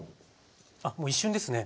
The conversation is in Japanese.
あっもう一瞬ですね。